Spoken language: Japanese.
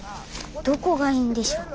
どこがいいんでしょう